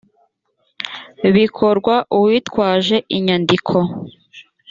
bikorwa uwitwaje inyandiko